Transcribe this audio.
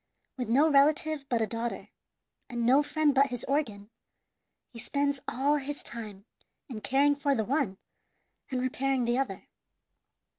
With no relative but a daughter, and no friend but his organ, he spends all his time in caring for the one and repairing the other.